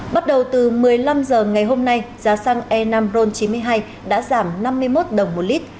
bắt đầu từ một mươi năm h ngày hôm nay giá xăng e năm ron chín mươi hai đã giảm năm mươi một đồng một lít